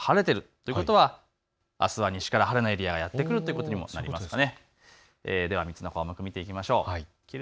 西のほうが晴れているということはあすは西から晴れのエリアがやって来るということですね。